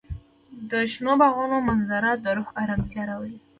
د شنو باغونو منظر د روح ارامتیا راولي.